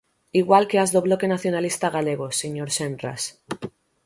Igual que ás do Bloque Nacionalista Galego, señor Senras.